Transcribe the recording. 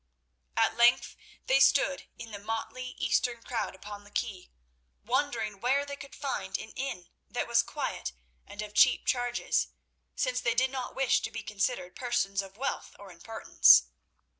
At length they stood in the motley Eastern crowd upon the quay, wondering where they could find an inn that was quiet and of cheap charges, since they did not wish to be considered persons of wealth or importance.